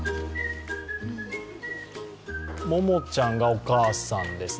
ももちゃんがお母さんです。